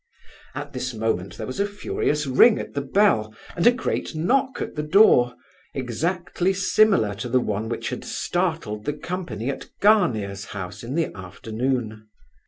At this moment there was a furious ring at the bell, and a great knock at the door—exactly similar to the one which had startled the company at Gania's house in the afternoon.